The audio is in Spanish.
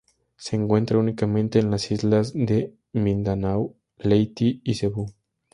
Se encuentra únicamente en las islas de Mindanao, Leyte y Cebú.